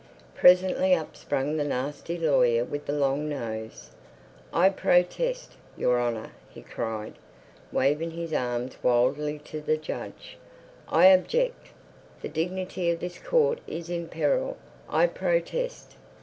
Presently up sprang the nasty lawyer with the long nose. "I protest, Your Honor," he cried, waving his arms wildly to the judge. "I object. The dignity of this court is in peril. I protest."